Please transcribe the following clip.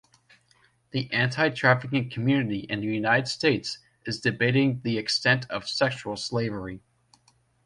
The anti-trafficking community in the United States is debating the extent of sexual slavery.